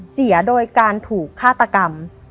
เสียโดยการถูกฆาตกรรม